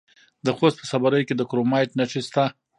د خوست په صبریو کې د کرومایټ نښې شته.